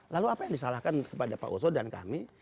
lalu apa yang disalahkan kepada pak oso dan kami